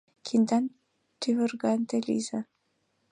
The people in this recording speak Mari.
Киндан-тӱвырган те лийза.